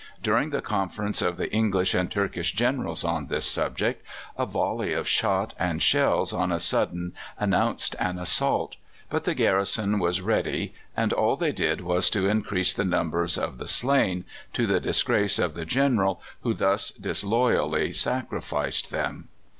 During the conference of the English and Turkish Generals on this subject a volley of shot and shells on a sudden announced an assault; but the garrison was ready, and all they did was to increase the numbers of the slain, to the disgrace of the General who thus disloyally sacrificed them.